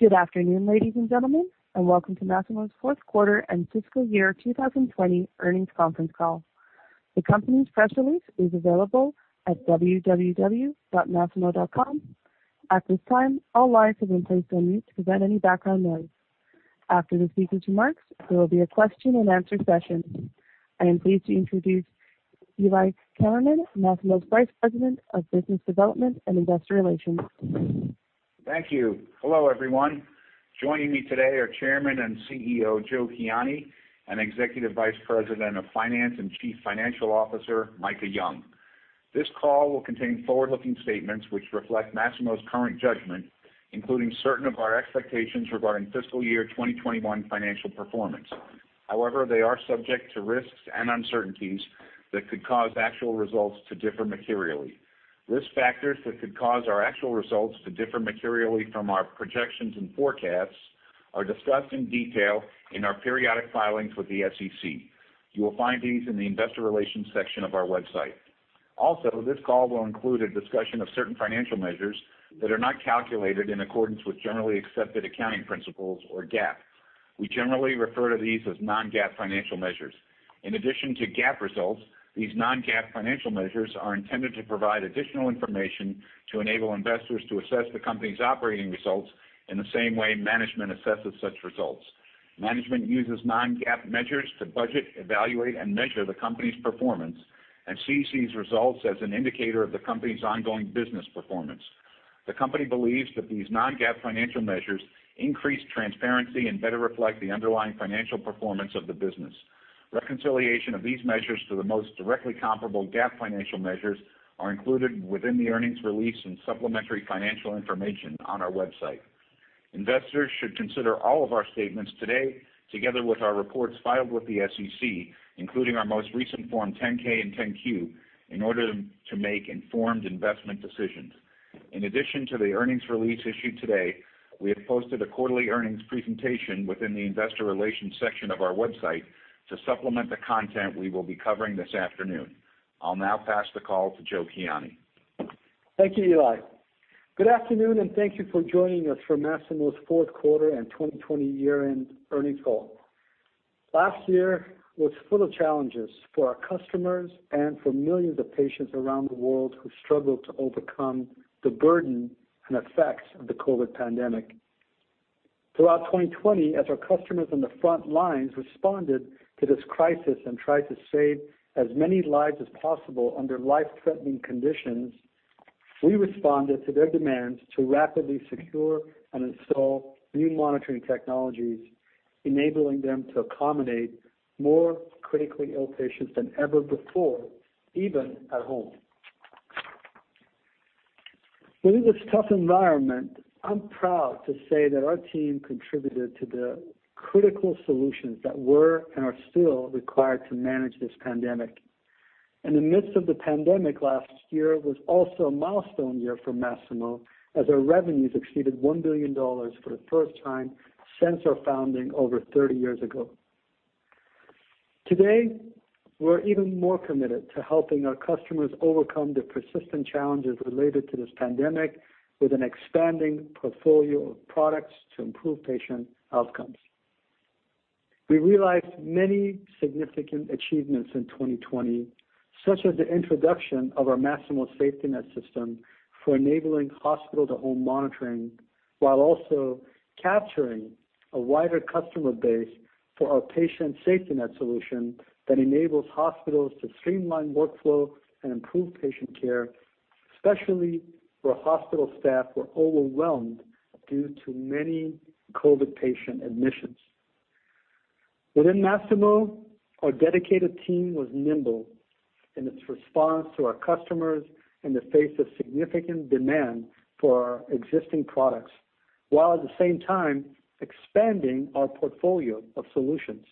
Good afternoon, ladies and gentlemen, and welcome to Masimo's fourth quarter and fiscal year 2020 earnings conference call. The company's press release is available at www.masimo.com. At this time all lines will stay on mute to prevent background noise. After the speakers remarks there will be a question and answer session. I am pleased to introduce Eli Kammerman, Masimo's Vice President of Business Development and Investor Relations. Thank you. Hello, everyone. Joining me today are Chairman and CEO, Joe Kiani, and Executive Vice President of Finance and Chief Financial Officer, Micah Young. This call will contain forward-looking statements which reflect Masimo's current judgment, including certain of our expectations regarding fiscal year 2021 financial performance. However, they are subject to risks and uncertainties that could cause actual results to differ materially. Risk factors that could cause our actual results to differ materially from our projections and forecasts are discussed in detail in our periodic filings with the SEC. You will find these in the investor relations section of our masimo.com website. Also, this call will include a discussion of certain financial measures that are not calculated in accordance with generally accepted accounting principles, or GAAP. We generally refer to these as non-GAAP financial measures. In addition to GAAP results, these non-GAAP financial measures are intended to provide additional information to enable investors to assess the company's operating results in the same way management assesses such results. Management uses non-GAAP measures to budget, evaluate, and measure the company's performance and sees these results as an indicator of the company's ongoing business performance. The company believes that these non-GAAP financial measures increase transparency and better reflect the underlying financial performance of the business. Reconciliation of these measures to the most directly comparable GAAP financial measures are included within the earnings release and supplementary financial information on our website. Investors should consider all of our statements today, together with our reports filed with the SEC, including our most recent Form 10-K and 10-Q, in order to make informed investment decisions. In addition to the earnings release issued today, we have posted a quarterly earnings presentation within the investor relations section of our website to supplement the content we will be covering this afternoon. I'll now pass the call to Joe Kiani. Thank you, Eli. Good afternoon, and thank you for joining us for Masimo's fourth quarter and 2020 year-end earnings call. Last year was full of challenges for our customers and for millions of patients around the world who struggled to overcome the burden and effects of the COVID pandemic. Throughout 2020, as our customers on the front lines responded to this crisis and tried to save as many lives as possible under life-threatening conditions, we responded to their demands to rapidly secure and install new monitoring technologies, enabling them to accommodate more critically ill patients than ever before, even at home. Within this tough environment, I'm proud to say that our team contributed to the critical solutions that were, and are still, required to manage this pandemic. In the midst of the pandemic, last year was also a milestone year for Masimo as our revenues exceeded $1 billion for the first time since our founding over 30 years ago. Today, we're even more committed to helping our customers overcome the persistent challenges related to this pandemic with an expanding portfolio of products to improve patient outcomes. We realized many significant achievements in 2020, such as the introduction of our Masimo SafetyNet system for enabling hospital-to-home monitoring, while also capturing a wider customer base for our Patient SafetyNet solution that enables hospitals to streamline workflow and improve patient care, especially where hospital staff were overwhelmed due to many COVID patient admissions. Within Masimo, our dedicated team was nimble in its response to our customers in the face of significant demand for our existing products, while at the same time expanding our portfolio of solutions.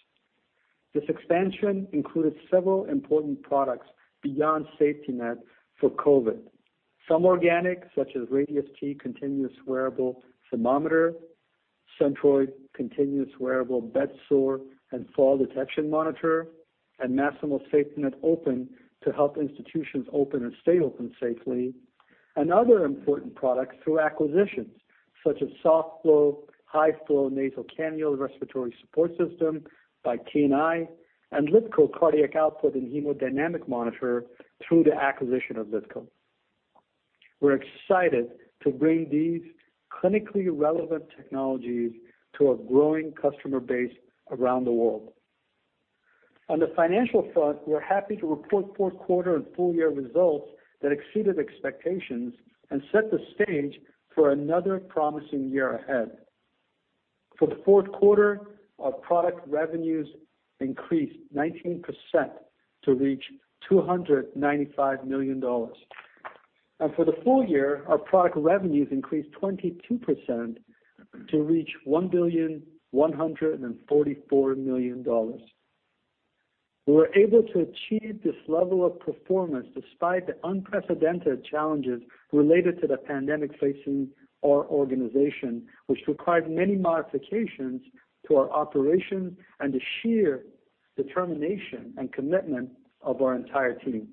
This expansion included several important products beyond SafetyNet for COVID. Some organic, such as Radius T° continuous wearable thermometer, Centroid continuous wearable bedsore, and fall detection monitor, and Masimo SafetyNet-Open to help institutions open and stay open safely. Other important products through acquisitions, such as softFlow high-flow nasal cannula respiratory support system by TNI, and LiDCO cardiac output and hemodynamic monitor through the acquisition of LiDCO. We're excited to bring these clinically relevant technologies to our growing customer base around the world. On the financial front, we're happy to report fourth quarter and full-year results that exceeded expectations and set the stage for another promising year ahead. For the fourth quarter, our product revenues increased 19% to reach $295 million. For the full-year, our product revenues increased 22% to reach $1,144,000,000. We were able to achieve this level of performance despite the unprecedented challenges related to the pandemic facing our organization, which required many modifications to our operations and the sheer determination and commitment of our entire team.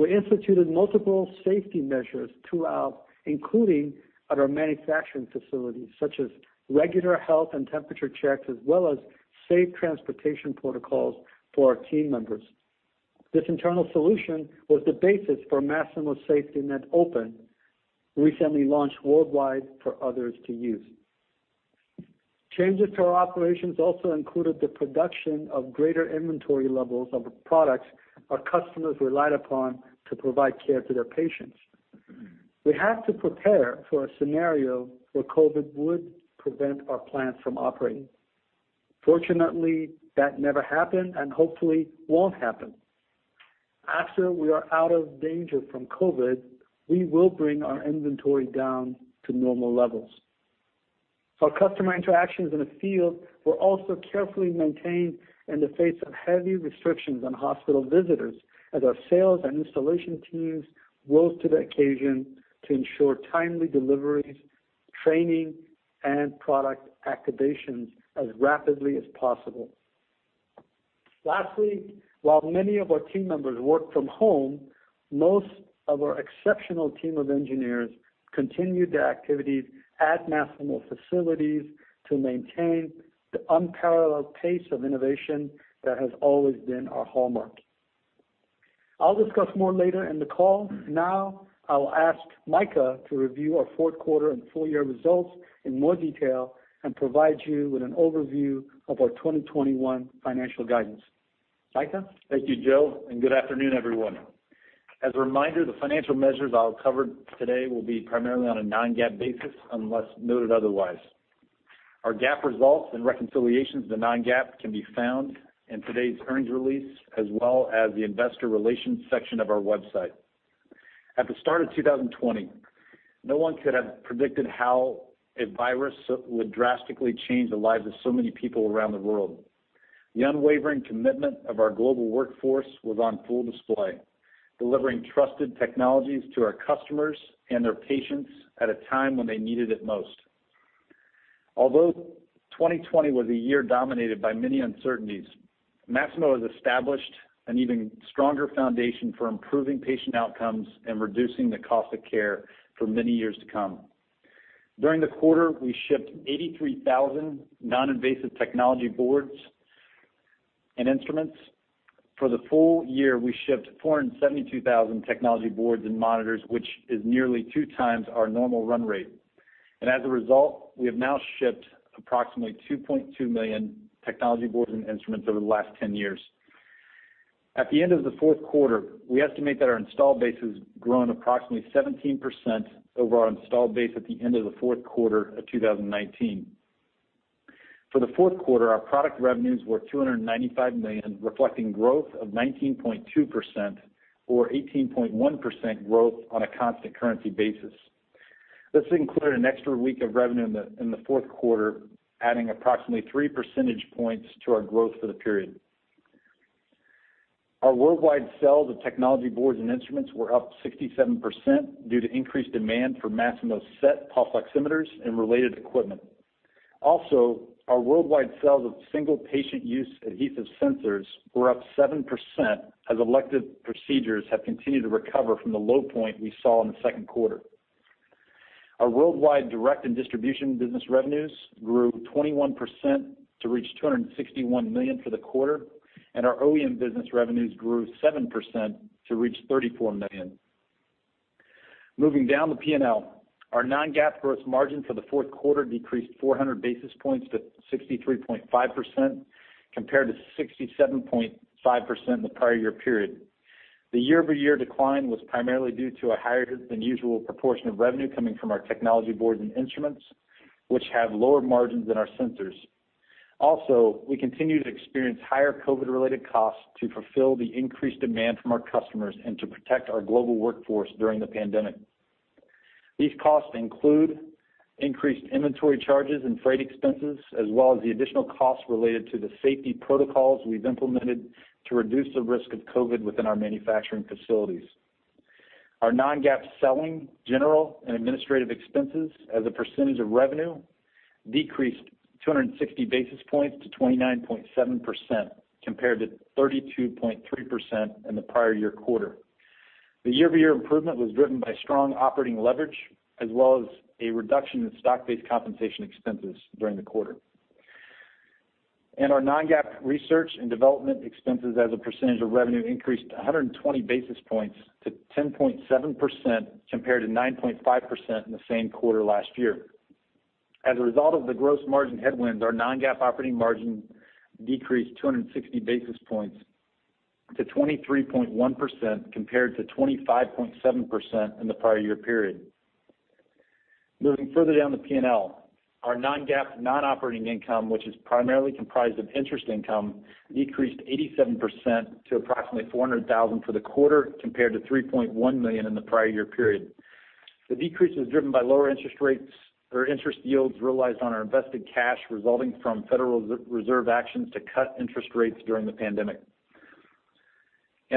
We instituted multiple safety measures throughout, including at our manufacturing facilities, such as regular health and temperature checks as well as safe transportation protocols for our team members. This internal solution was the basis for Masimo SafetyNet-Open, recently launched worldwide for others to use. Changes to our operations also included the production of greater inventory levels of the products our customers relied upon to provide care to their patients. We had to prepare for a scenario where COVID would prevent our plants from operating. Fortunately, that never happened and hopefully won't happen. After we are out of danger from COVID, we will bring our inventory down to normal levels. Our customer interactions in the field were also carefully maintained in the face of heavy restrictions on hospital visitors, as our sales and installation teams rose to the occasion to ensure timely deliveries, training, and product activations as rapidly as possible. Lastly, while many of our team members worked from home, most of our exceptional team of engineers continued their activities at Masimo facilities to maintain the unparalleled pace of innovation that has always been our hallmark. I'll discuss more later in the call. Now, I'll ask Micah to review our fourth quarter and full-year results in more detail and provide you with an overview of our 2021 financial guidance. Micah? Thank you, Joe, and good afternoon, everyone. As a reminder, the financial measures I'll cover today will be primarily on a non-GAAP basis unless noted otherwise. Our GAAP results and reconciliations to non-GAAP can be found in today's earnings release, as well as the investor relations section of our website. At the start of 2020, no one could have predicted how a virus would drastically change the lives of so many people around the world. The unwavering commitment of our global workforce was on full display, delivering trusted technologies to our customers and their patients at a time when they needed it most. Although 2020 was a year dominated by many uncertainties, Masimo has established an even stronger foundation for improving patient outcomes and reducing the cost of care for many years to come. During the quarter, we shipped 83,000 non-invasive technology boards and instruments. For the full-year, we shipped 472,000 technology boards and monitors, which is nearly two times our normal run rate. As a result, we have now shipped approximately 2.2 million technology boards and instruments over the last 10 years. At the end of the fourth quarter, we estimate that our installed base has grown approximately 17% over our installed base at the end of the fourth quarter of 2019. For the fourth quarter, our product revenues were $295 million, reflecting growth of 19.2%, or 18.1% growth on a constant currency basis. This included an extra week of revenue in the fourth quarter, adding approximately three percentage points to our growth for the period. Our worldwide sales of technology boards and instruments were up 67% due to increased demand for Masimo SET pulse oximeters and related equipment. Our worldwide sales of single patient use adhesive sensors were up 7% as elective procedures have continued to recover from the low point we saw in the second quarter. Our worldwide direct and distribution business revenues grew 21% to reach $261 million for the quarter, and our OEM business revenues grew 7% to reach $34 million. Moving down the P&L, our non-GAAP gross margin for the fourth quarter decreased 400 basis points to 63.5%, compared to 67.5% in the prior year period. The year-over-year decline was primarily due to a higher than usual proportion of revenue coming from our technology boards and instruments, which have lower margins than our sensors. We continue to experience higher COVID-related costs to fulfill the increased demand from our customers and to protect our global workforce during the pandemic. These costs include increased inventory charges and freight expenses, as well as the additional costs related to the safety protocols we've implemented to reduce the risk of COVID within our manufacturing facilities. Our non-GAAP selling, general, and administrative expenses as a percentage of revenue decreased 260 basis points to 29.7%, compared to 32.3% in the prior year quarter. The year-over-year improvement was driven by strong operating leverage, as well as a reduction in stock-based compensation expenses during the quarter. Our non-GAAP research and development expenses as a percentage of revenue increased 120 basis points to 10.7%, compared to 9.5% in the same quarter last year. As a result of the gross margin headwinds, our non-GAAP operating margin decreased 260 basis points to 23.1%, compared to 25.7% in the prior year period. Moving further down the P&L, our non-GAAP non-operating income, which is primarily comprised of interest income, decreased 87% to $400,000 for the quarter, compared to $3.1 million in the prior-year period. The decrease was driven by lower interest rates or interest yields realized on our invested cash, resulting from Federal Reserve actions to cut interest rates during the pandemic.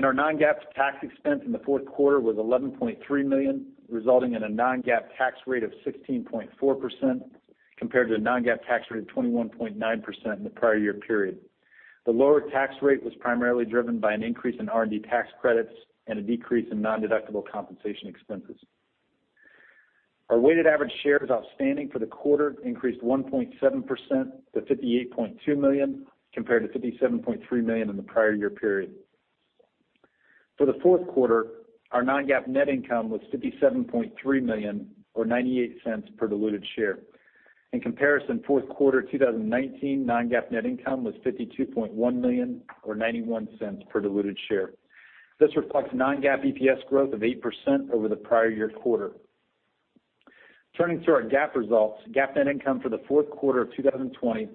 Our non-GAAP tax expense in the fourth quarter was $11.3 million, resulting in a non-GAAP tax rate of 16.4%. Compared to the non-GAAP tax rate of 21.9% in the prior-year period. The lower tax rate was primarily driven by an increase in R&D tax credits and a decrease in non-deductible compensation expenses. Our weighted average shares outstanding for the quarter increased 1.7% to 58.2 million, compared to 57.3 million in the prior-year period. For the fourth quarter, our non-GAAP net income was $57.3 million, or $0.98 per diluted share. In comparison, fourth quarter 2019 non-GAAP net income was $52.1 million, or $0.91 per diluted share. This reflects non-GAAP EPS growth of 8% over the prior year quarter. Turning to our GAAP results, GAAP net income for the fourth quarter of 2020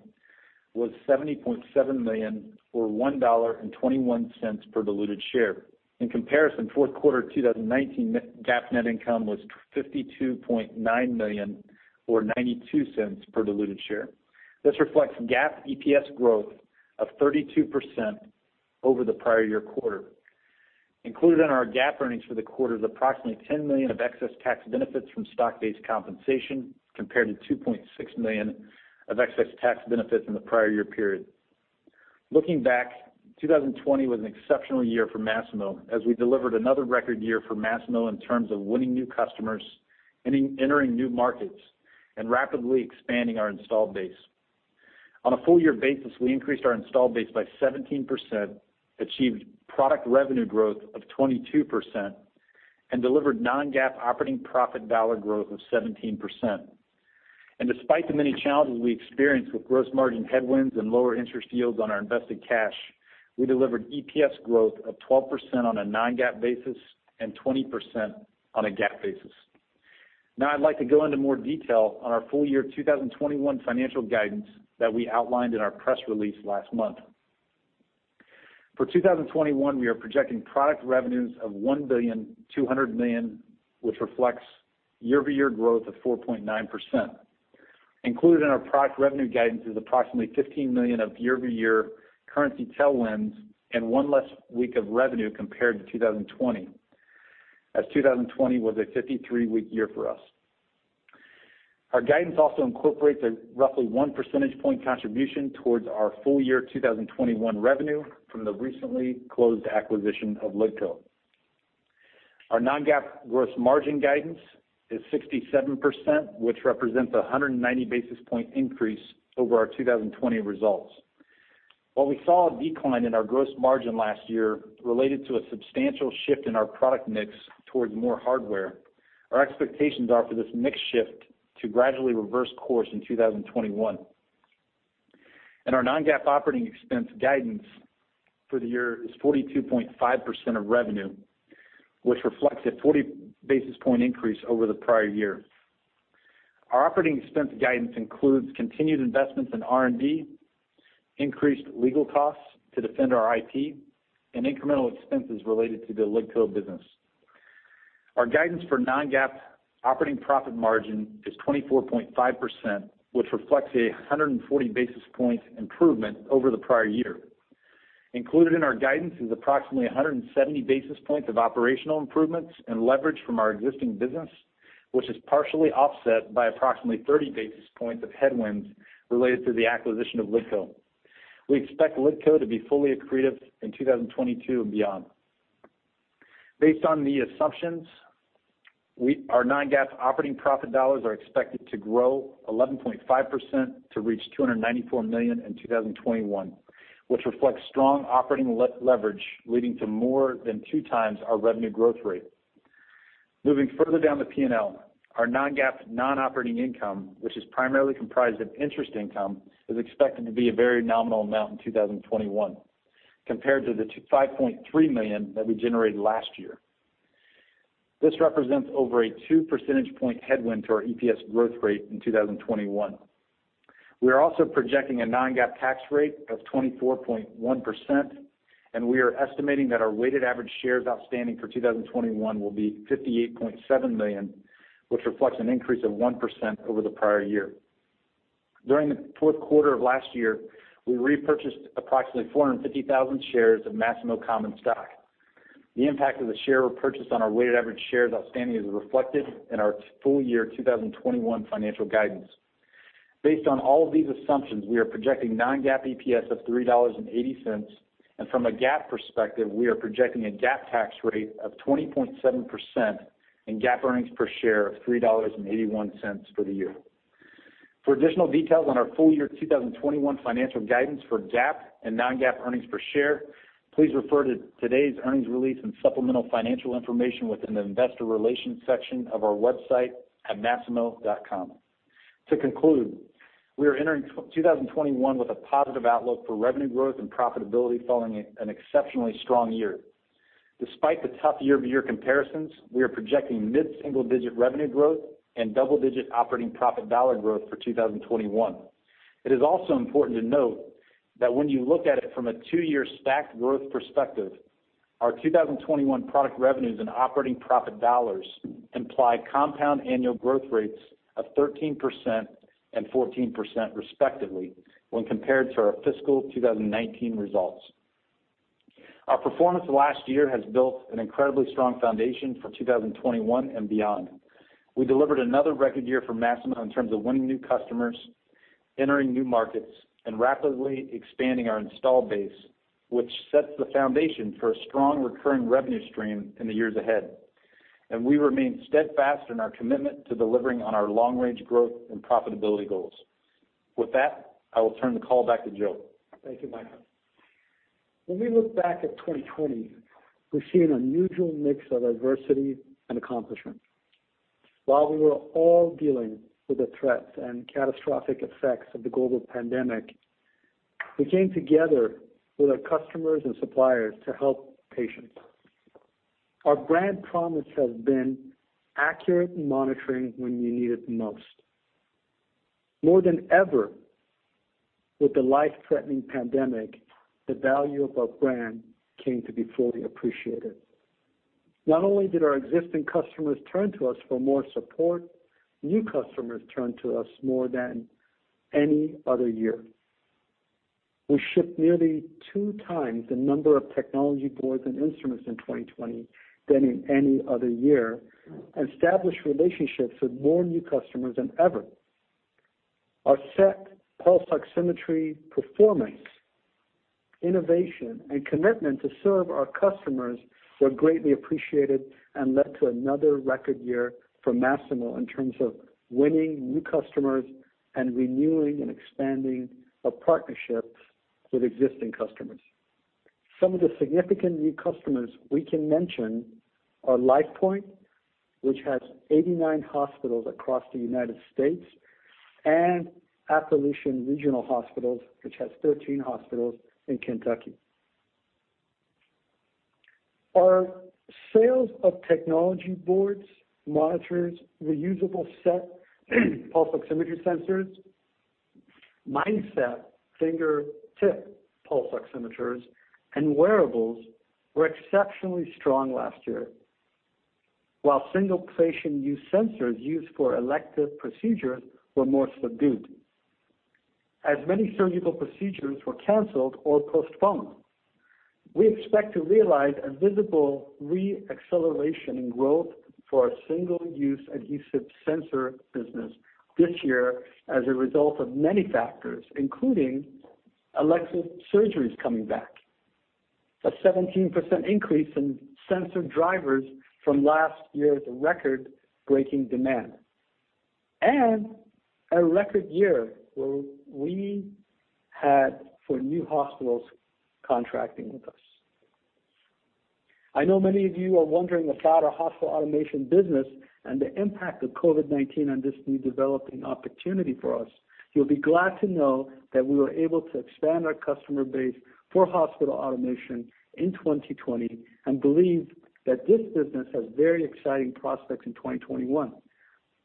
was $70.7 million, or $1.21 per diluted share. In comparison, fourth quarter 2019 GAAP net income was $52.9 million, or $0.92 per diluted share. This reflects GAAP EPS growth of 32% over the prior year quarter. Included in our GAAP earnings for the quarter is approximately $10 million of excess tax benefits from stock-based compensation, compared to $2.6 million of excess tax benefits in the prior year period. Looking back, 2020 was an exceptional year for Masimo as we delivered another record year for Masimo in terms of winning new customers, entering new markets, and rapidly expanding our installed base. On a full-year basis, we increased our installed base by 17%, achieved product revenue growth of 22%, and delivered non-GAAP operating profit dollar growth of 17%. Despite the many challenges we experienced with gross margin headwinds and lower interest yields on our invested cash, we delivered EPS growth of 12% on a non-GAAP basis and 20% on a GAAP basis. I'd like to go into more detail on our full-year 2021 financial guidance that we outlined in our press release last month. For 2021, we are projecting product revenues of $1.2 billion, which reflects year-over-year growth of 4.9%. Included in our product revenue guidance is approximately $15 million of year-over-year currency tailwinds and one less week of revenue compared to 2020, as 2020 was a 53-week year for us. Our guidance also incorporates a roughly one percentage point contribution towards our full-year 2021 revenue from the recently closed acquisition of LiDCO. Our non-GAAP gross margin guidance is 67%, which represents 190 basis point increase over our 2020 results. While we saw a decline in our gross margin last year related to a substantial shift in our product mix towards more hardware, our expectations are for this mix shift to gradually reverse course in 2021. Our non-GAAP operating expense guidance for the year is 42.5% of revenue, which reflects a 40 basis point increase over the prior year. Our operating expense guidance includes continued investments in R&D, increased legal costs to defend our IP, and incremental expenses related to the LiDCO business. Our guidance for non-GAAP operating profit margin is 24.5%, which reflects a 140 basis points improvement over the prior year. Included in our guidance is approximately 170 basis points of operational improvements and leverage from our existing business, which is partially offset by approximately 30 basis points of headwinds related to the acquisition of LiDCO. We expect LiDCO to be fully accretive in 2022 and beyond. Based on the assumptions, our non-GAAP operating profit dollars are expected to grow 11.5% to reach $294 million in 2021, which reflects strong operating leverage, leading to more than two times our revenue growth rate. Moving further down the P&L, our non-GAAP non-operating income, which is primarily comprised of interest income, is expected to be a very nominal amount in 2021 compared to the $5.3 million that we generated last year. This represents over a two percentage point headwind to our EPS growth rate in 2021. We are also projecting a non-GAAP tax rate of 24.1%, and we are estimating that our weighted average shares outstanding for 2021 will be $58.7 million, which reflects an increase of 1% over the prior year. During the fourth quarter of last year, we repurchased approximately 450,000 shares of Masimo common stock. The impact of the share repurchase on our weighted average shares outstanding is reflected in our full-year 2021 financial guidance. Based on all of these assumptions, we are projecting non-GAAP EPS of $3.80, and from a GAAP perspective, we are projecting a GAAP tax rate of 20.7% and GAAP earnings per share of $3.81 for the year. For additional details on our full-year 2021 financial guidance for GAAP and non-GAAP earnings per share, please refer to today's earnings release and supplemental financial information within the investor relations section of our website at masimo.com. To conclude, we are entering 2021 with a positive outlook for revenue growth and profitability following an exceptionally strong year. Despite the tough year-over-year comparisons, we are projecting mid-single digit revenue growth and double-digit operating profit dollar growth for 2021. It is also important to note that when you look at it from a two-year stacked growth perspective, our 2021 product revenues and operating profit dollars imply compound annual growth rates of 13% and 14% respectively when compared to our fiscal 2019 results. Our performance last year has built an incredibly strong foundation for 2021 and beyond. We delivered another record year for Masimo in terms of winning new customers, entering new markets, and rapidly expanding our installed base, which sets the foundation for a strong recurring revenue stream in the years ahead. We remain steadfast in our commitment to delivering on our long-range growth and profitability goals. With that, I will turn the call back to Joe. Thank you, Micah. When we look back at 2020, we see an unusual mix of adversity and accomplishment. While we were all dealing with the threats and catastrophic effects of the global pandemic, we came together with our customers and suppliers to help patients. Our brand promise has been accurate monitoring when you need it the most. More than ever, with the life-threatening pandemic, the value of our brand came to be fully appreciated. Not only did our existing customers turn to us for more support, new customers turned to us more than any other year. We shipped nearly two times the number of technology boards and instruments in 2020 than in any other year, and established relationships with more new customers than ever. Our SET pulse oximetry performance, innovation, and commitment to serve our customers were greatly appreciated and led to another record year for Masimo in terms of winning new customers and renewing and expanding our partnerships with existing customers. Some of the significant new customers we can mention are LifePoint, which has 89 hospitals across the U.S., and Appalachian Regional Healthcare, which has 13 hospitals in Kentucky. Our sales of technology boards, monitors, reusable SET pulse oximetry sensors, MightySat fingertip pulse oximeters, and wearables were exceptionally strong last year. While single-patient-use sensors used for elective procedures were more subdued, as many surgical procedures were canceled or postponed. We expect to realize a visible re-acceleration in growth for our single-use adhesive sensor business this year as a result of many factors, including elective surgeries coming back, a 17% increase in sensor drivers from last year's record-breaking demand, and a record year where we had for new hospitals contracting with us. I know many of you are wondering about our hospital automation business and the impact of COVID-19 on this new developing opportunity for us. You'll be glad to know that we were able to expand our customer base for hospital automation in 2020 and believe that this business has very exciting prospects in 2021.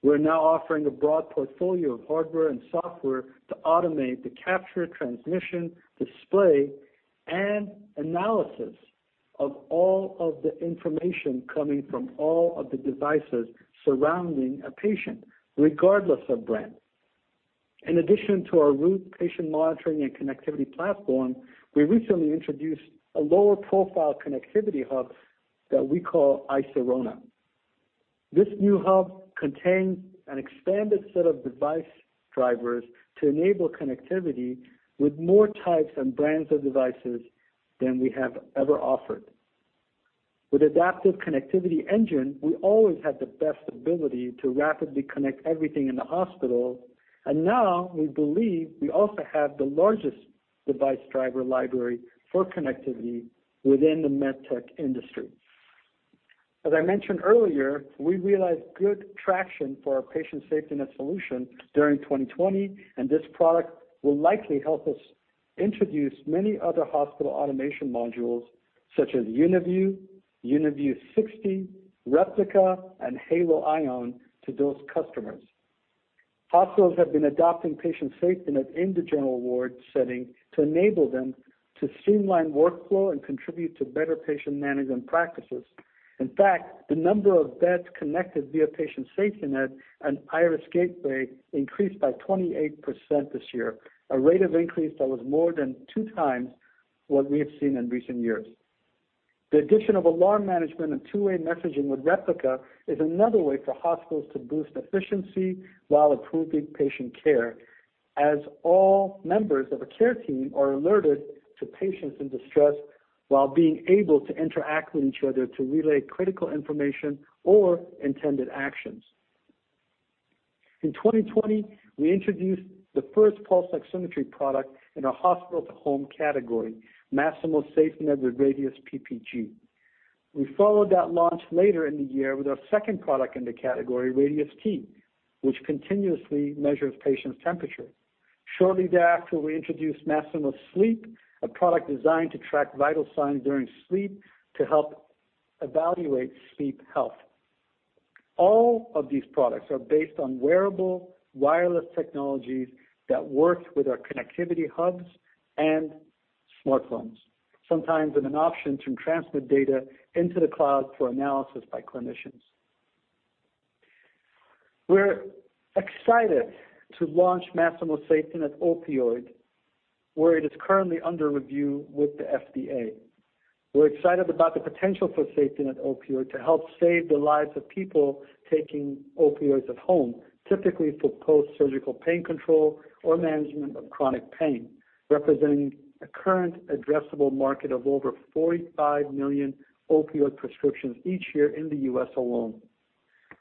We're now offering a broad portfolio of hardware and software to automate the capture, transmission, display, and analysis of all of the information coming from all of the devices surrounding a patient, regardless of brand. In addition to our Root patient monitoring and connectivity platform, we recently introduced a lower-profile connectivity hub that we call iSirona. This new hub contains an expanded set of device drivers to enable connectivity with more types and brands of devices than we have ever offered. With Adaptive Connectivity Engine, we always have the best ability to rapidly connect everything in the hospital. Now we believe we also have the largest device driver library for connectivity within the medtech industry. As I mentioned earlier, we realized good traction for our Patient SafetyNet solution during 2020. This product will likely help us introduce many other hospital automation modules such as UniView: 60, Replica, and Halo ION to those customers. Hospitals have been adopting Patient SafetyNet in the general ward setting to enable them to streamline workflow and contribute to better patient management practices. In fact, the number of beds connected via Patient SafetyNet and Iris Gateway increased by 28% this year, a rate of increase that was more than two times what we have seen in recent years. The addition of alarm management and two-way messaging with Replica is another way for hospitals to boost efficiency while improving patient care, as all members of a care team are alerted to patients in distress while being able to interact with each other to relay critical information or intended actions. In 2020, we introduced the first pulse oximetry product in our hospital-to-home category, Masimo SafetyNet with Radius PPG. We followed that launch later in the year with our second product in the category, Radius T°, which continuously measures patient's temperature. Shortly thereafter, we introduced Masimo Sleep, a product designed to track vital signs during sleep to help evaluate sleep health. All of these products are based on wearable, wireless technologies that work with our connectivity hubs and smartphones, sometimes with an option to transmit data into the cloud for analysis by clinicians. We're excited to launch Masimo SafetyNet Opioid, where it is currently under review with the FDA. We're excited about the potential for SafetyNet Opioid to help save the lives of people taking opioids at home, typically for post-surgical pain control or management of chronic pain, representing a current addressable market of over 45 million opioid prescriptions each year in the U.S. alone.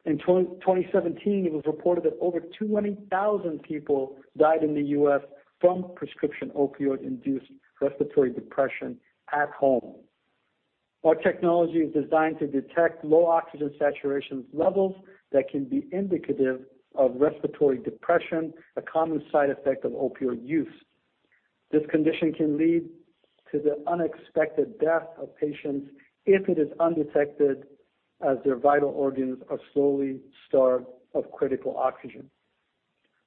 In 2017, it was reported that over 20,000 people died in the U.S. from prescription opioid-induced respiratory depression at home. Our technology is designed to detect low oxygen saturation levels that can be indicative of respiratory depression, a common side effect of opioid use. This condition can lead to the unexpected death of patients if it is undetected as their vital organs are slowly starved of critical oxygen.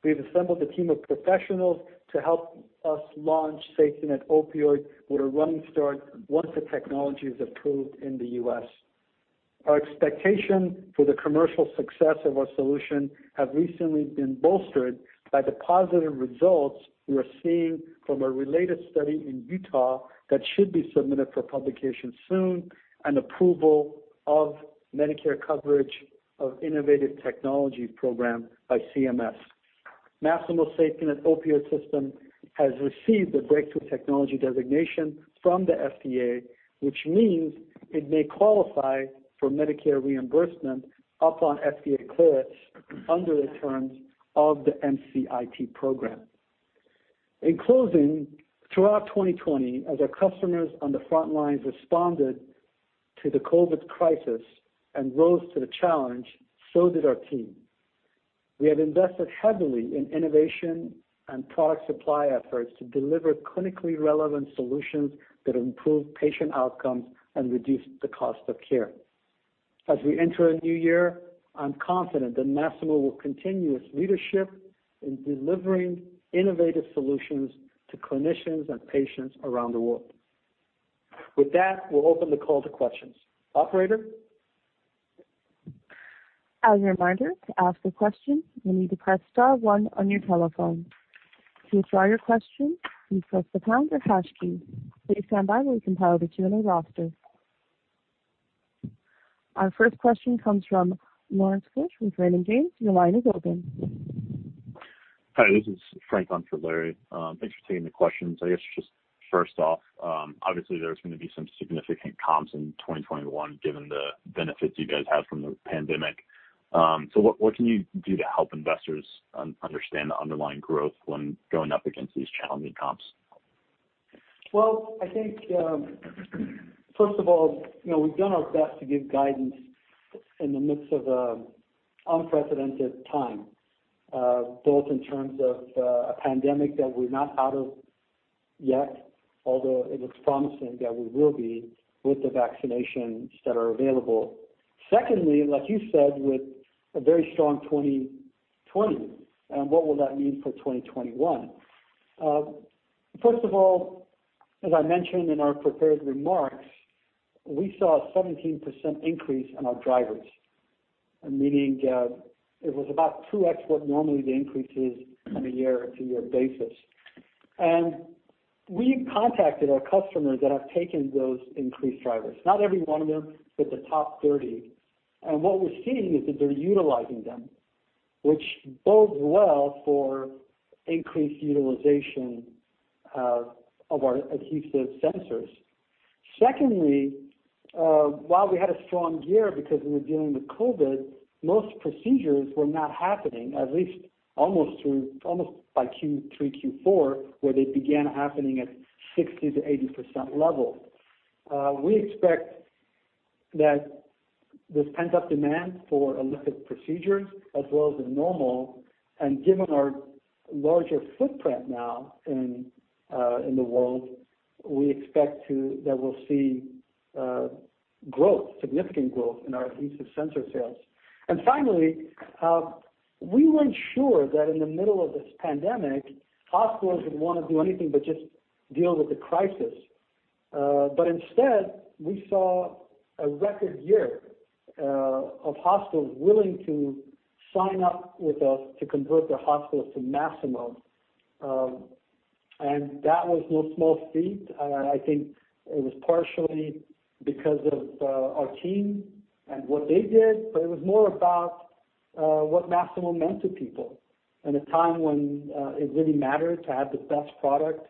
We've assembled a team of professionals to help us launch SafetyNet Opioid with a running start once the technology is approved in the U.S. Our expectation for the commercial success of our solution has recently been bolstered by the positive results we are seeing from a related study in Utah that should be submitted for publication soon, and approval of Medicare Coverage of Innovative Technology program by CMS. Masimo SafetyNet Opioid System has received the Breakthrough Technology designation from the FDA, which means it may qualify for Medicare reimbursement upon FDA clearance under the terms of the MCIT program. In closing, throughout 2020, as our customers on the front lines responded to the COVID crisis and rose to the challenge, so did our team. We have invested heavily in innovation and product supply efforts to deliver clinically relevant solutions that improve patient outcomes and reduce the cost of care. As we enter a new year, I'm confident that Masimo will continue its leadership in delivering innovative solutions to clinicians and patients around the world. With that, we'll open the call to questions. Operator? As a reminder, to ask a question, you need to press star one on your telephone. To withdraw your question, you press the pound or hash key. Please stand by while we compile the Q&A roster. Our first question comes from Lawrence Keusch with Raymond James. Your line is open. Hi, this is Frank on for Larry. Thanks for taking the questions. I guess just first off, obviously there's going to be some significant comps in 2021 given the benefits you guys had from the pandemic. What can you do to help investors understand the underlying growth when going up against these challenging comps? Well, I think, first of all, we've done our best to give guidance in the midst of an unprecedented time, both in terms of a pandemic that we're not out of yet, although it looks promising that we will be with the vaccinations that are available. Secondly, like you said, with a very strong 2020, what will that mean for 2021? First of all, as I mentioned in our prepared remarks, we saw a 17% increase in our drivers, meaning it was about 2x what normally the increase is on a year-to-year basis. We've contacted our customers that have taken those increased drivers, not every one of them, but the top 30. What we're seeing is that they're utilizing them, which bodes well for increased utilization of our adhesive sensors. Secondly, while we had a strong year because we were dealing with COVID, most procedures were not happening, at least almost by Q3, Q4, where they began happening at 60%-80% level. We expect that this pent-up demand for elective procedures as well as the normal, and given our larger footprint now in the world, we expect too that we'll see growth, significant growth, in our adhesive sensor sales. Finally, we weren't sure that in the middle of this pandemic, hospitals would want to do anything but just deal with the crisis. Instead, we saw a record year of hospitals willing to sign up with us to convert their hospitals to Masimo. That was no small feat. I think it was partially because of our team and what they did, but it was more about what Masimo meant to people in a time when it really mattered to have the best product,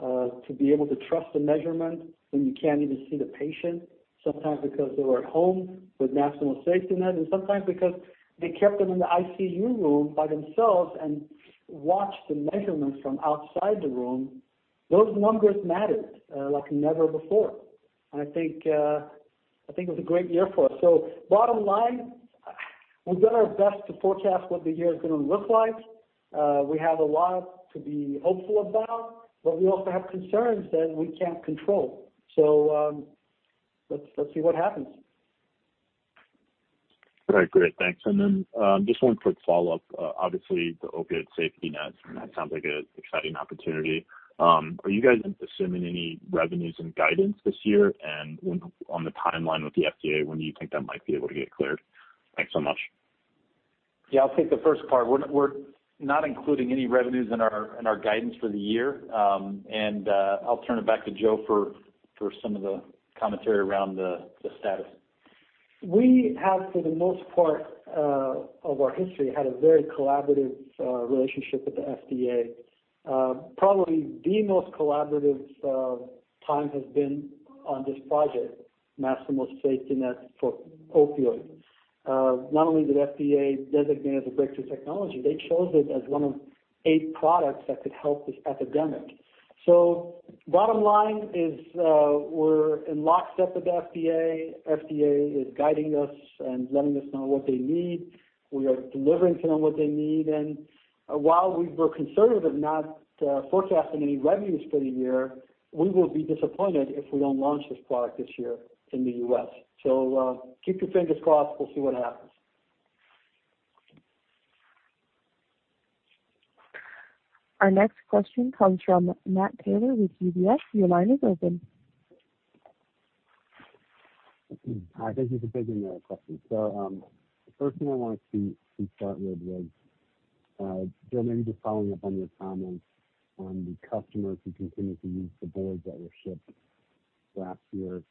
to be able to trust the measurement when you can't even see the patient, sometimes because they were at home with Masimo SafetyNet, and sometimes because they kept them in the ICU room by themselves and watched the measurements from outside the room. Those numbers mattered like never before. I think it was a great year for us. Bottom line, we've done our best to forecast what the year is going to look like. We have a lot to be hopeful about, but we also have concerns that we can't control. Let's see what happens. All right, great. Thanks. Just one quick follow-up. Obviously, the Opioid SafetyNet, that sounds like an exciting opportunity. Are you guys assuming any revenues and guidance this year? On the timeline with the FDA, when do you think that might be able to get cleared? Thanks so much. Yeah, I'll take the first part. We're not including any revenues in our guidance for the year. I'll turn it back to Joe for some of the commentary around the status. We have, for the most part of our history, had a very collaborative relationship with the FDA. Probably the most collaborative time has been on this project, Masimo SafetyNet for opioids. Not only did FDA designate it as a breakthrough technology, they chose it as one of eight products that could help this epidemic. Bottom line is, we're in lockstep with FDA. FDA is guiding us and letting us know what they need. We are delivering to them what they need. While we were conservative, not forecasting any revenues for the year, we will be disappointed if we don't launch this product this year in the U.S. Keep your fingers crossed. We'll see what happens. Our next question comes from Matt Taylor with UBS. Your line is open. Hi. Thank you for taking the question. The first thing I wanted to start with was, Joe, maybe just following up on your comments on the customers who continue to use the boards that were shipped last year.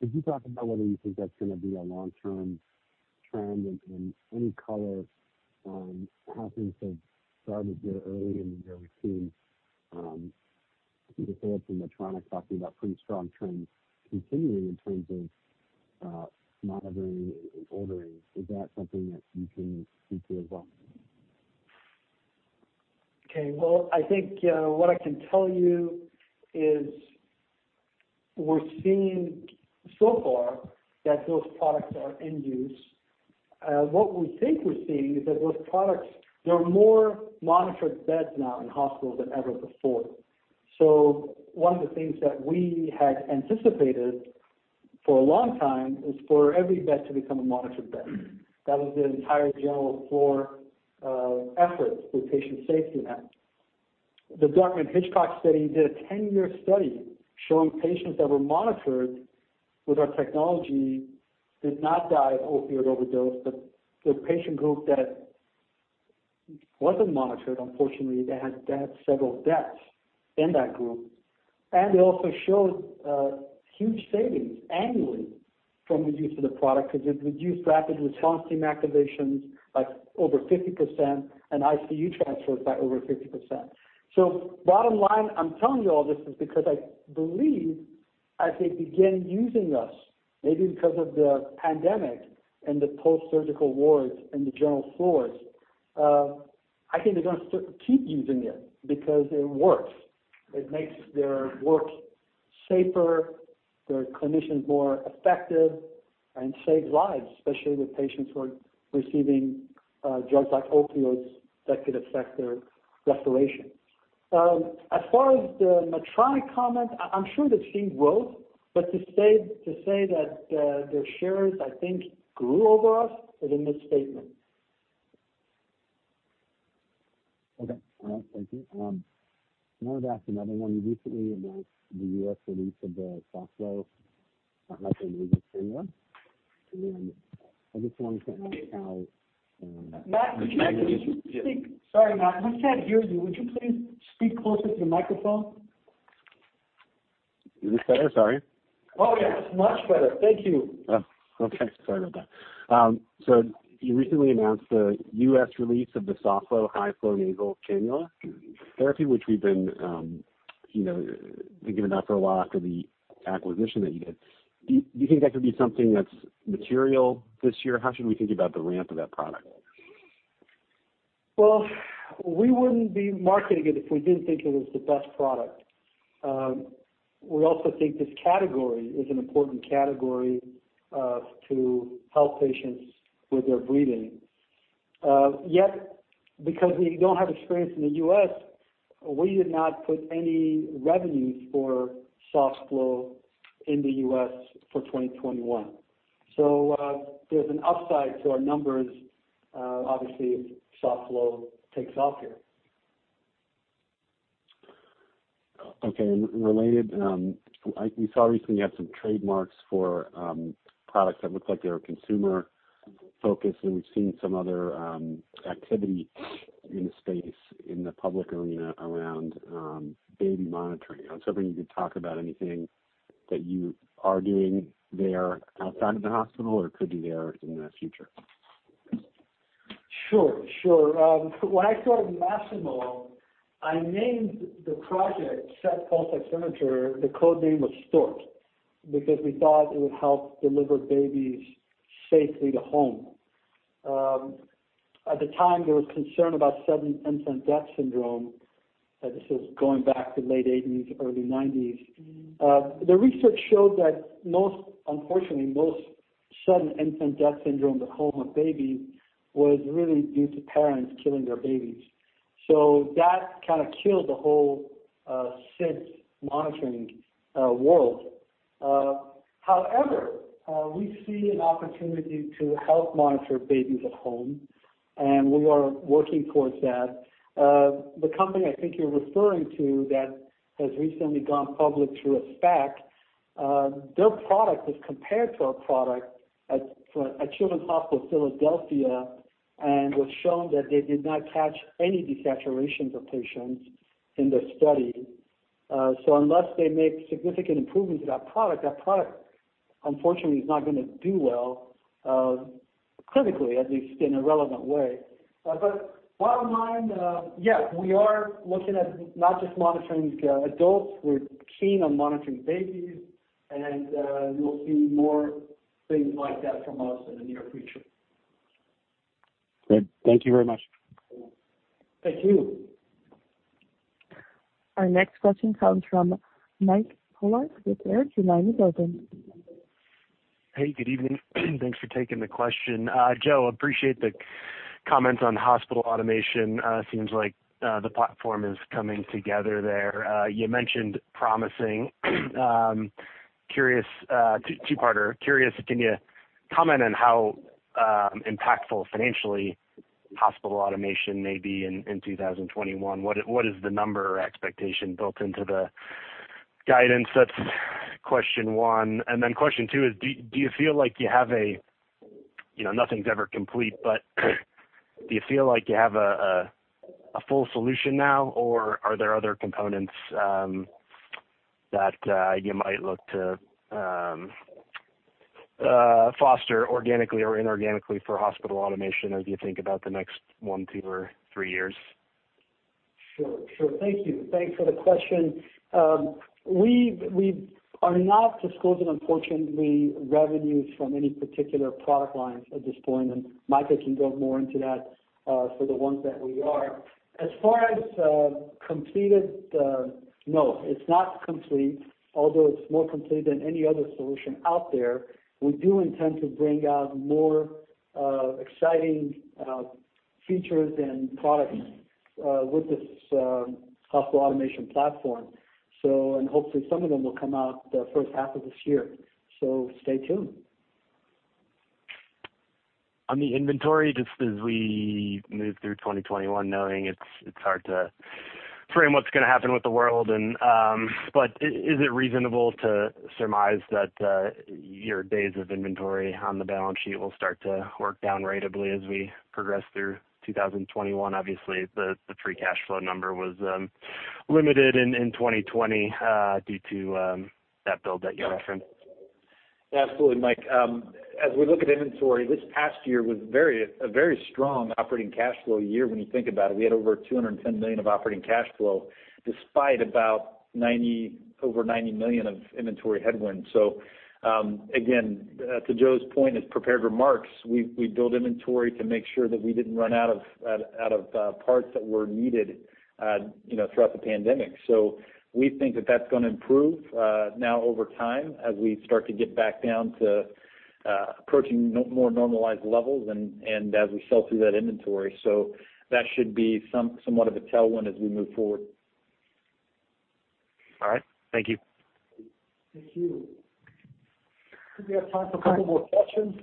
Could you talk about whether you think that's going to be a long-term trend and any color on how things have started there early in the year? We've seen the sales in Medtronic talking about pretty strong trends continuing in terms of monitoring and ordering. Is that something that you can speak to as well? Well, I think what I can tell you is we're seeing so far that those products are in use. We think we're seeing is that those products, there are more monitored beds now in hospitals than ever before. One of the things that we had anticipated for a long time is for every bed to become a monitored bed. That was the entire general floor effort for Patient SafetyNet. The Dartmouth-Hitchcock study did a 10-year study showing patients that were monitored with our technology did not die of opioid overdose. The patient group that wasn't monitored, unfortunately, they had several deaths in that group. It also showed huge savings annually from the use of the product because it reduced rapid response team activations by over 50% and ICU transfers by over 50%. Bottom line, I'm telling you all this is because I believe as they begin using us, maybe because of the pandemic and the post-surgical wards and the general floors, I think they're going to keep using it because it works. It makes their work safer, their clinicians more effective, and saves lives, especially with patients who are receiving drugs like opioids that could affect their respiration. As far as the Medtronic comment, I'm sure they've seen growth, but to say that their shares, I think, grew over us is a misstatement. Okay. All right. Thank you. I wanted to ask another one. You recently announced the U.S. release of the softFlow high-flow nasal cannula. I just wanted to ask how- Sorry, Matt, we can't hear you. Would you please speak closer to the microphone? Is this better? Sorry. Oh, yes. Much better. Thank you. Oh, okay. Sorry about that. You recently announced the U.S. release of the softFlow high-flow nasal cannula therapy, which we've been thinking about for a while after the acquisition that you did. Do you think that could be something that's material this year? How should we think about the ramp of that product? We wouldn't be marketing it if we didn't think it was the best product. We also think this category is an important category to help patients with their breathing. Yet, because we don't have experience in the U.S., we did not put any revenues for softFlow in the U.S. for 2021. There's an upside to our numbers, obviously, if softFlow takes off here. Okay. Related, we saw recently you had some trademarks for products that looked like they were consumer-focused, and we've seen some other activity in the space in the public arena around baby monitoring. I was hoping you could talk about anything that you are doing there outside of the hospital or could be there in the future. Sure. When I started Masimo, I named the project SET pulse oximeter. The code name was Stork because we thought it would help deliver babies safely to home. At the time, there was concern about Sudden Infant Death Syndrome. This is going back to late '80s, early '90s. The research showed that, unfortunately, most Sudden Infant Death Syndrome at home of babies was really due to parents killing their babies. That kind of killed the whole SIDS monitoring world. However, we see an opportunity to help monitor babies at home, and we are working towards that. The company I think you're referring to that has recently gone public through a SPAC. Their product was compared to our product at Children's Hospital Philadelphia, and it was shown that they did not catch any desaturations of patients in their study. Unless they make significant improvements to that product, that product unfortunately is not going to do well, clinically, at least in a relevant way. Bottom line, yes, we are looking at not just monitoring adults, we're keen on monitoring babies, and you'll see more things like that from us in the near future. Great. Thank you very much. Thank you. Our next question comes from Mike Polark with Baird. Your line is open. Hey, good evening. Thanks for taking the question. Joe, appreciate the comments on hospital automation. Seems like the platform is coming together there. You mentioned promising. Two-parter. Curious, can you comment on how impactful financially hospital automation may be in 2021? What is the number or expectation built into the guidance? That's question one. Question two is, do you feel like you have a nothing's ever complete, but do you feel like you have a full solution now, or are there other components that you might look to foster organically or inorganically for hospital automation as you think about the next one, two, or three years? Sure. Thank you. Thanks for the question. We are not disclosing, unfortunately, revenues from any particular product lines at this point, and Micah can delve more into that for the ones that we are. As far as completed, no, it's not complete, although it's more complete than any other solution out there. We do intend to bring out more exciting features and products with this hospital automation platform. Hopefully, some of them will come out the first half of this year. Stay tuned. Is it reasonable to surmise that your days of inventory on the balance sheet will start to work down ratably as we progress through 2021? Obviously, the free cash flow number was limited in 2020 due to that build that you referenced. Absolutely, Mike. We look at inventory, this past year was a very strong operating cash flow year when you think about it. We had over $210 million of operating cash flow despite about over $90 million of inventory headwinds. Again, to Joe's point, his prepared remarks, we built inventory to make sure that we didn't run out of parts that were needed throughout the pandemic. We think that that's going to improve now over time as we start to get back down to approaching more normalized levels, and as we sell through that inventory. That should be somewhat of a tailwind as we move forward. All right. Thank you. Thank you. I think we have time for a couple more questions.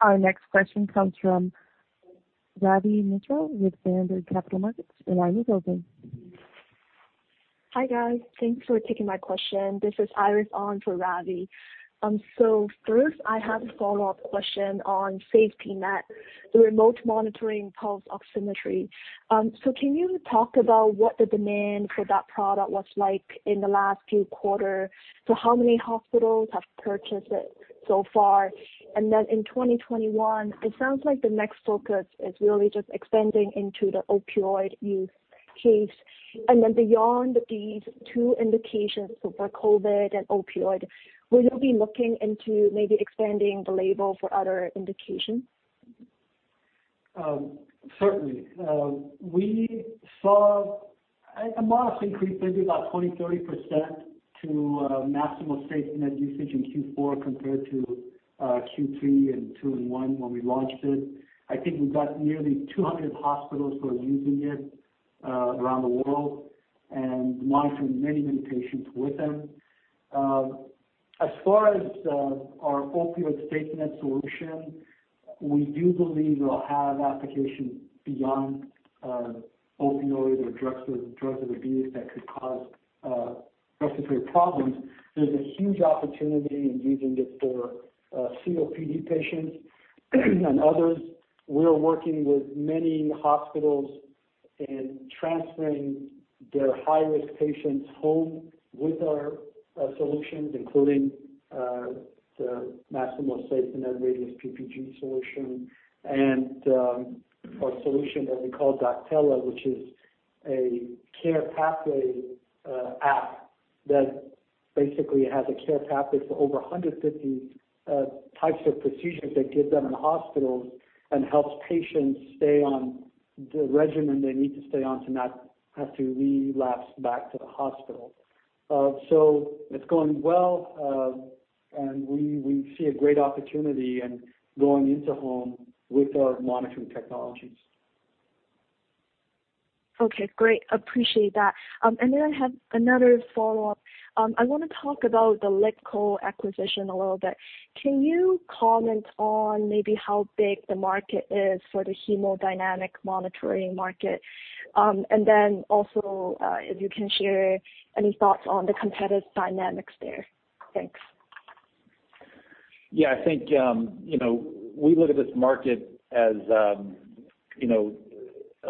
Our next question comes from Ravi Misra with Berenberg Capital Markets. Your line is open. Hi, guys. Thanks for taking my question. This is Iris on for Ravi. First, I have a follow-up question on SafetyNet, the remote monitoring pulse oximetry. Can you talk about what the demand for that product was like in the last few quarters? How many hospitals have purchased it so far? In 2021, it sounds like the next focus is really just expanding into the opioid use case. Beyond these two indications for COVID and opioid, will you be looking into maybe expanding the label for other indications? Certainly. We saw a modest increase, maybe about 20%, 30%, to Masimo SafetyNet usage in Q4 compared to Q3 and 2 and 1 when we launched it. I think we've got nearly 200 hospitals who are using it around the world and monitoring many patients with them. As far as our opioid SafetyNet solution, we do believe it'll have application beyond opioids or drugs of abuse that could cause respiratory problems. There's a huge opportunity in using it for COPD patients and others. We are working with many hospitals in transferring their high-risk patients home with our solutions, including the Masimo SafetyNet Radius PPG solution and our solution that we call Doctella, which is a care pathway app that basically has a care pathway for over 150 types of procedures that give them in hospitals and helps patients stay on the regimen they need to stay on to not have to relapse back to the hospital. It's going well, and we see a great opportunity in going into home with our monitoring technologies. Okay, great. Appreciate that. Then I have another follow-up. I want to talk about the LiDCO acquisition a little bit. Can you comment on maybe how big the market is for the hemodynamic monitoring market? Then also, if you can share any thoughts on the competitive dynamics there. Thanks. Yeah, I think we look at this market as a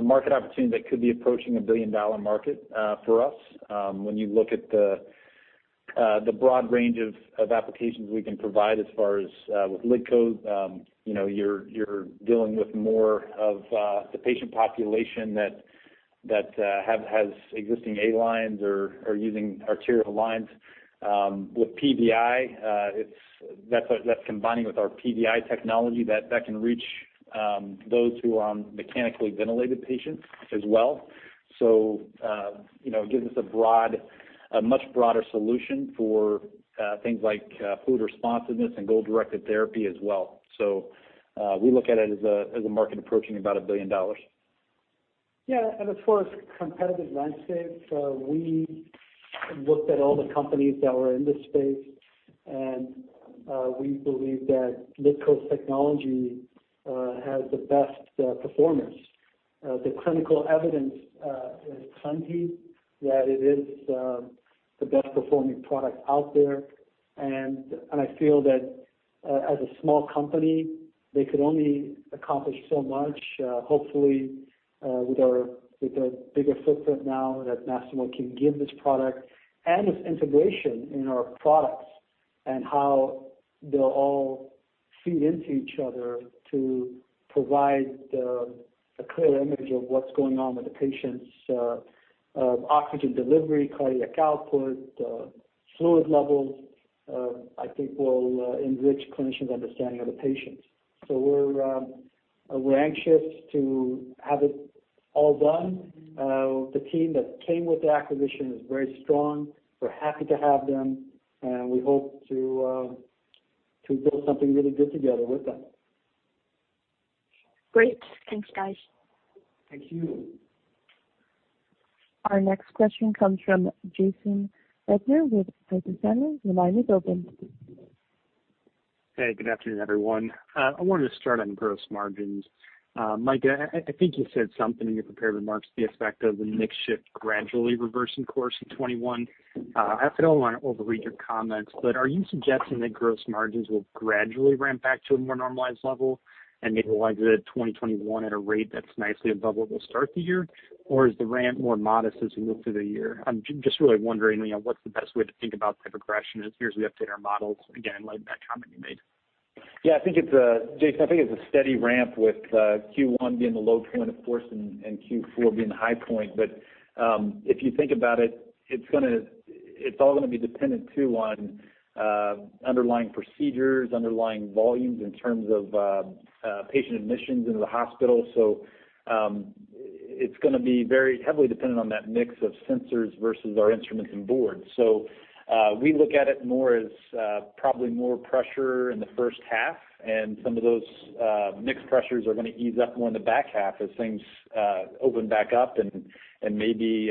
market opportunity that could be approaching a billion-dollar market for us. When you look at the broad range of applications we can provide as far as with LiDCO, you're dealing with more of the patient population that has existing A-lines or are using arterial lines. With PVI, that's combining with our PVI technology that can reach those who are mechanically ventilated patients as well. It gives us a much broader solution for things like fluid responsiveness and goal-directed therapy as well. We look at it as a market approaching about $1 billion. Yeah, as far as competitive landscape, we looked at all the companies that were in this space, and we believe that LiDCO's technology has the best performance. The clinical evidence is plenty that it is the best performing product out there, and I feel that as a small company, they could only accomplish so much. Hopefully, with the bigger footprint now that Masimo can give this product and its integration in our products and how they'll all feed into each other to provide a clear image of what's going on with the patient's oxygen delivery, cardiac output, fluid levels, I think will enrich clinicians' understanding of the patients. We're anxious to have it all done. The team that came with the acquisition is very strong. We're happy to have them, and we hope to build something really good together with them. Great. Thanks, guys. Thank you. Our next question comes from Jason Bednar with Piper Sandler. Your line is open. Hey, good afternoon, everyone. I wanted to start on gross margins. Micah, I think you said something in your prepared remarks to the effect of the mix shift gradually reversing course in 2021. I don't want to overread your comments, are you suggesting that gross margins will gradually ramp back to a more normalized level and maybe exit 2021 at a rate that's nicely above where we'll start the year? Is the ramp more modest as we move through the year? I'm just really wondering what's the best way to think about the progression as years we update our models again, like that comment you made. Yeah, Jason, I think it's a steady ramp with Q1 being the low point, of course, and Q4 being the high point. If you think about it's all going to be dependent too on underlying procedures, underlying volumes in terms of patient admissions into the hospital. It's going to be very heavily dependent on that mix of sensors versus our instruments and boards. We look at it more as probably more pressure in the first half, and some of those mix pressures are going to ease up more in the back half as things open back up and maybe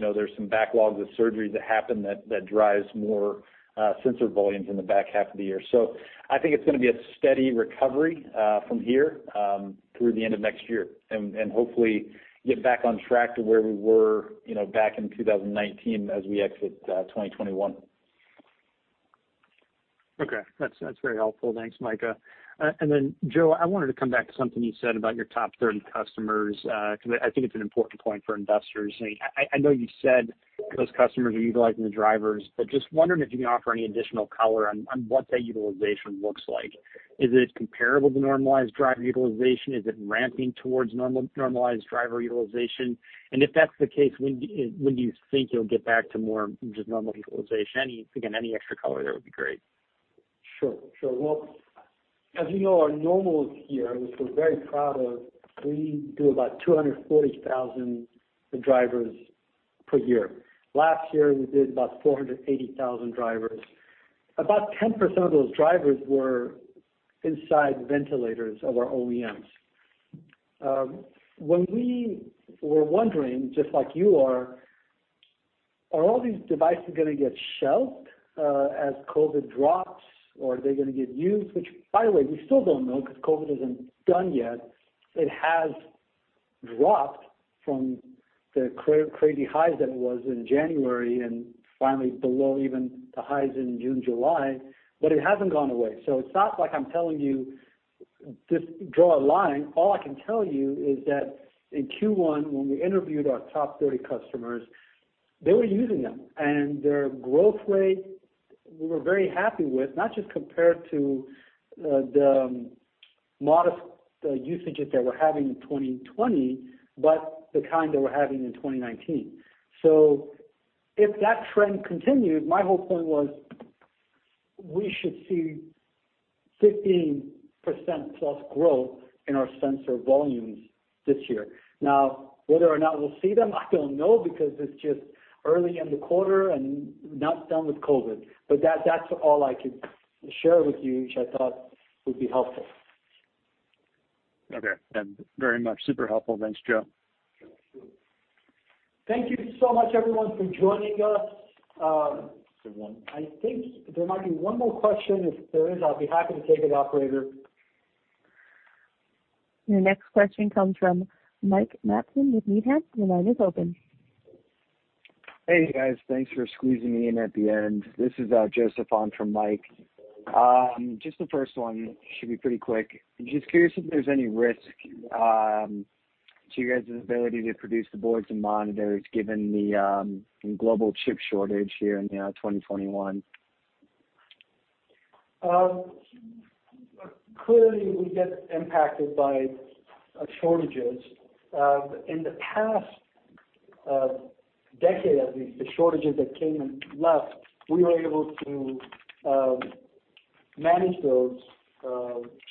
there's some backlogs of surgeries that happen that drives more sensor volumes in the back half of the year. I think it's going to be a steady recovery from here through the end of next year, and hopefully get back on track to where we were back in 2019 as we exit 2021. Okay. That's very helpful. Thanks, Micah. And then, Joe, I wanted to come back to something you said about your top 30 customers, because I think it's an important point for investors. I know you said those customers are utilizing the drivers, but just wondering if you can offer any additional color on what that utilization looks like. Is it comparable to normalized driver utilization? Is it ramping towards normalized driver utilization? If that's the case, when do you think you'll get back to more just normal utilization? Again, any extra color there would be great. Sure. Well, as you know, our normal year, which we're very proud of, we do about 240,000 drivers per year. Last year, we did about 480,000 drivers. About 10% of those drivers were inside ventilators of our OEMs. When we were wondering, just like you are all these devices going to get shelved as COVID drops, or are they going to get used? Which, by the way, we still don't know, because COVID isn't done yet. It has dropped from the crazy highs that it was in January and finally below even the highs in June, July, but it hasn't gone away. It's not like I'm telling you just draw a line. All I can tell you is that in Q1, when we interviewed our top 30 customers, they were using them, and their growth rate we were very happy with, not just compared to the modest usages that we're having in 2020, but the kind that we're having in 2019. If that trend continues, my whole point was we should see 15% plus growth in our sensor volumes this year. Whether or not we'll see them, I don't know, because it's just early in the quarter and we're not done with COVID. That's all I could share with you, which I thought would be helpful. Okay. Very much super helpful. Thanks, Joe. Sure. Thank you so much, everyone, for joining us. I think there might be one more question. If there is, I'll be happy to take it, operator. Your next question comes from Mike Matson with Needham. Your line is open. Hey guys. Thanks for squeezing me in at the end. This is Joseph on for Mike. Just the first one, should be pretty quick. Just curious if there's any risk to your guys' ability to produce the boards and monitors given the global chip shortage here in 2021? Clearly, we get impacted by shortages. In the past decade, at least, the shortages that came and left, we were able to manage those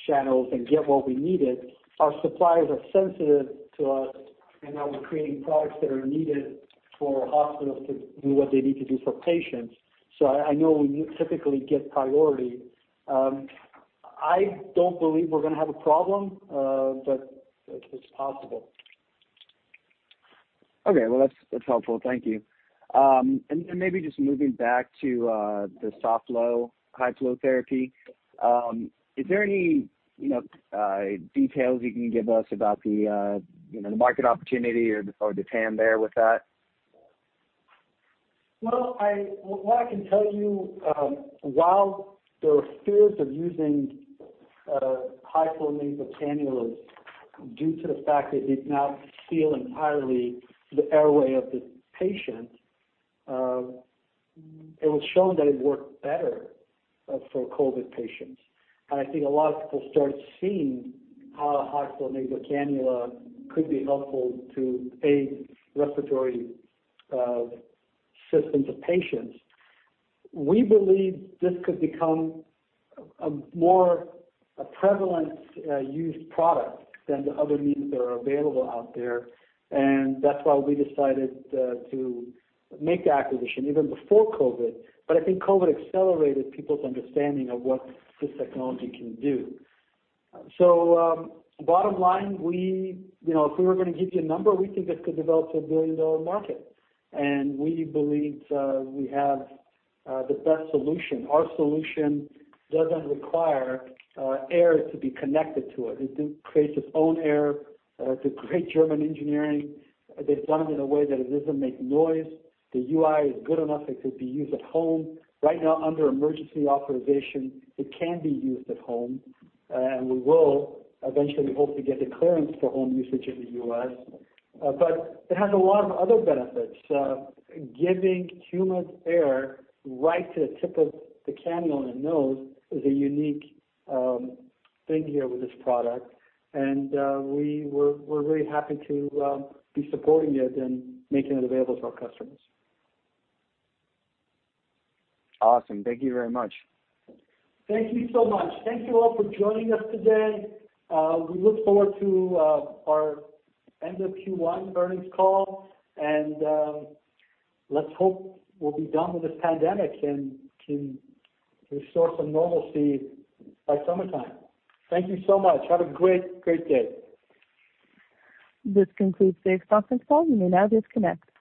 channels and get what we needed. Our suppliers are sensitive to us and how we're creating products that are needed for hospitals to do what they need to do for patients. I know we typically get priority. I don't believe we're going to have a problem, but it's possible. Okay. Well, that's helpful. Thank you. Then maybe just moving back to the softFlow, high flow therapy. Is there any details you can give us about the market opportunity or the TAM there with that? What I can tell you, while there were fears of using softFlow due to the fact that they did not seal entirely the airway of the patient, it was shown that it worked better for COVID patients. I think a lot of people started seeing how a softFlow could be helpful to aid respiratory systems of patients. We believe this could become a more prevalent used product than the other means that are available out there, and that's why we decided to make the acquisition even before COVID. I think COVID accelerated people's understanding of what this technology can do. Bottom line, if we were going to give you a number, we think this could develop to a billion-dollar market, and we believe we have the best solution. Our solution doesn't require air to be connected to it. It creates its own air. It's a great German engineering. They've done it in a way that it doesn't make noise. The UI is good enough it could be used at home. Now, under emergency authorization, it can be used at home, and we will eventually hope to get a clearance for home usage in the U.S. It has a lot of other benefits. Giving humid air right to the tip of the cannula in the nose is a unique thing here with this product, and we're very happy to be supporting it and making it available to our customers. Awesome. Thank you very much. Thank you so much. Thank you all for joining us today. We look forward to our end of Q1 earnings call and let's hope we'll be done with this pandemic and can restore some normalcy by summertime. Thank you so much. Have a great day. This concludes today's conference call. You may now disconnect.